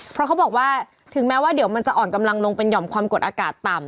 เพราะเขาบอกว่าถึงแม้ว่าเดี๋ยวมันจะอ่อนกำลังลงเป็นห่อมความกดอากาศต่ำ